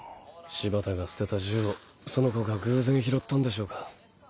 柴田が捨てた銃をその子が偶然拾ったんでしょうか？